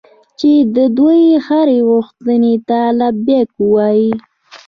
چې د دوی هرې غوښتنې ته لبیک ووایي.